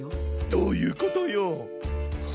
どういうことよ。